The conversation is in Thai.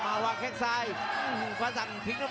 หัวจิตหัวใจแก่เกินร้อยครับ